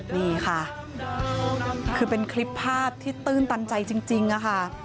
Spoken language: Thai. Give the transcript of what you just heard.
นี่ค่ะคือเป็นคลิปภาพที่ตื้นตันใจจริงค่ะ